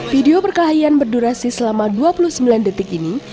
video perkelahian berdurasi selama dua puluh sembilan detik ini